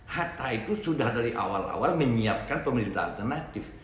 hatta itu sudah dari awal awal menyiapkan pemerintah alternatif